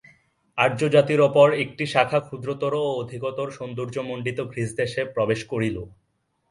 আর্যজাতির অপর একটি শাখা ক্ষুদ্রতর ও অধিকতর সৌন্দর্যমণ্ডিত গ্রীস দেশে প্রবেশ করিল।